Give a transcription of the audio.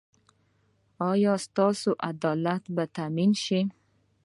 ایا ستاسو عدالت به تامین شي؟